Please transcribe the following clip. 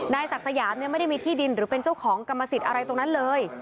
นายศักดิ์สยามไม่ได้มีที่ดินหรือเป็นเจ้าของกรรมสิทธิ์อะไรตรงนั้นเลย